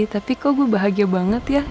tapi kok gue bahagia banget ya